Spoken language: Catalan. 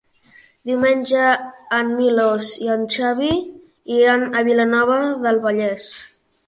Diumenge en Milos i en Xavi iran a Vilanova del Vallès.